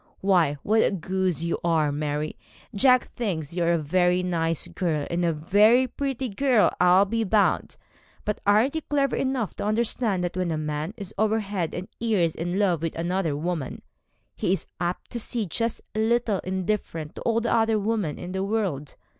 Why, what a goose you are, Mary. Jack thinks you a very nice girl, and a very pretty girl, I'll be bound; but aren't you clever enough to understand that when a man is over head and ears in love with one woman, he is apt to seem just a little indifferent to all the other women in the world?